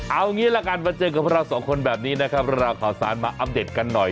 เอางี้ละกันมาเจอกับเราสองคนแบบนี้นะครับราวข่าวสารมาอัปเดตกันหน่อย